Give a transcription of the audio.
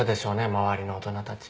周りの大人たち。